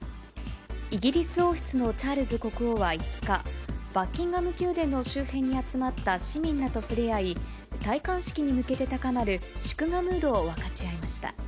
イギリス王室のチャールズ国王は５日、バッキンガム宮殿の周辺に集まった市民らと触れ合い、戴冠式に向けて高まる祝賀ムードを分かち合いました。